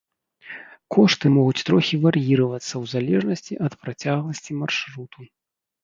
Кошты могуць трохі вар'іравацца ў залежнасці ад працягласці маршруту.